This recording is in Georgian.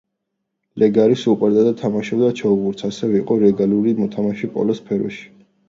ლეგარის უყვარდა და თამაშობდა ჩოგბურთს, ასევე იყო რეგულარული მოთამაშე პოლოს სფეროში.